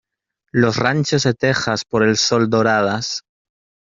Los ranchos de tejas por el sol doradas.